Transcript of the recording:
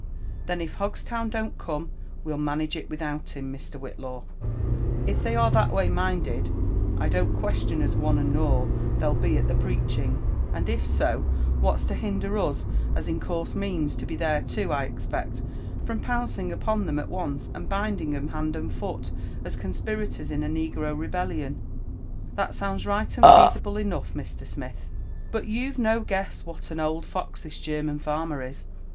" Then if Hogstown don't come, we'll manage it without him, Mr. Whitlaw. If they are that way minded, I don't question as one aod all they'll be at the preaching ; and if so, what's to hinder us, as ia course means to be there too, I expect, from pouncing upon 'em a4 oaoe,. and binding 'em hand and foot, as conspirators in a negro rebellion r' " That sounds right and feasible enough, Mr. Smith ; bol you'veno guess what an old fox this German farmer is.